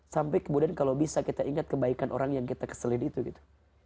sampai kemudian kalau bisa kita ingat kebaikan orang yang kita keselin itu gitu